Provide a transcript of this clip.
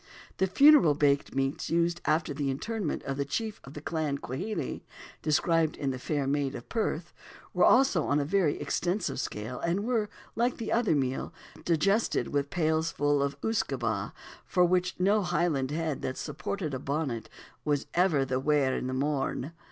The funeral baked meats used after the interment of the chief of the Clan Quhele (described in The Fair Maid of Perth) were also on a very extensive scale, and were, like the other meal, "digested" with pailfuls of usquebaugh, for which no Highland head that supported a bonnet was ever "the waur i' th' morn."